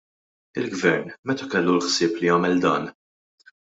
Il-Gvern, meta kellu l-ħsieb li jagħmel dan?